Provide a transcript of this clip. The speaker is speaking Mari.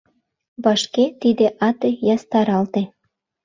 Вашке тиде ате ястаралте.